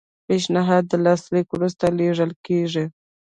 پیشنهاد د لاسلیک وروسته لیږل کیږي.